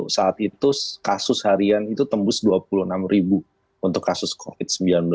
saat itu kasus harian itu tembus dua puluh enam ribu untuk kasus covid sembilan belas